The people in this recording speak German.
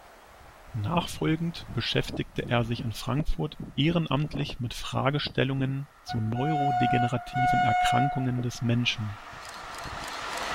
Nachfolgend beschäftigte er sich in Frankfurt ehrenamtlich mit Fragestellungen zu neurodegenerativen Erkrankungen des Menschen.